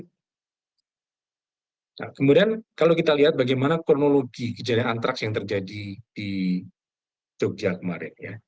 nah kemudian kalau kita lihat bagaimana kronologi kejadian antraks yang terjadi di jogja kemarin